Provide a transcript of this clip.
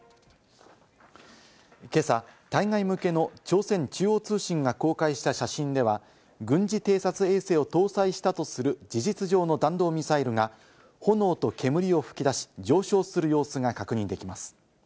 今朝、対外向けの朝鮮中央通信が公開した写真では、軍事偵察衛星を搭載したとする事実上の弾道ミサイルが炎と煙を吹き出し、上昇する様子が確認できます。